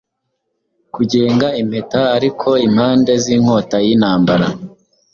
Kugenga impetaariko impande zinkota yintambara